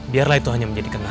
biarlah itu hanya menjadi kendala